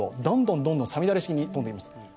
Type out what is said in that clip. どんどんどんどん五月雨式に飛んでいます。